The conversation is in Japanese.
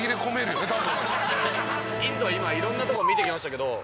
インドは今いろんな所見てきましたけど。